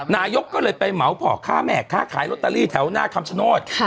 นายกก็เลยไปเหมาพ่อค้าแม่ค้าขายลอตเตอรี่แถวหน้าคำชโนธ